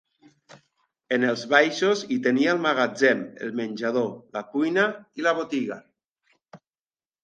En els baixos hi tenia el magatzem, el menjador, la cuina i la botiga.